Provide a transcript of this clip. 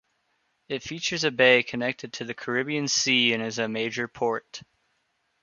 It features a bay connected to the Caribbean Sea and is a major port.